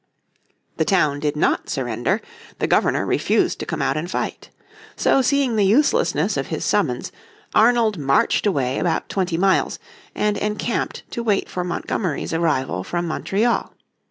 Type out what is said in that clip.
The town did not surrender, the Governor refused to come out and fight. So seeing the uselessness of his summons Arnold marched away about twenty miles, and encamped to wait for Montgomery's arrival from Montreal.